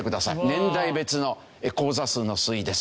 年代別の口座数の推移です。